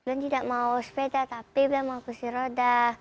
bulan tidak mau sepeda tapi belom mau kursi roda